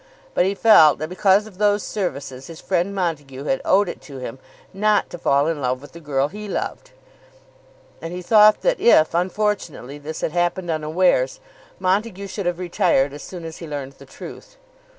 But he felt that because of those services his friend Montague had owed it to him not to fall in love with the girl he loved; and he thought that if, unfortunately, this had happened unawares, Montague should have retired as soon as he learned the truth.